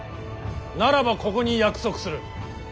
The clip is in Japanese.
ならばここに約束する。